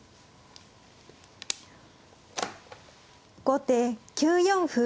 後手９四歩。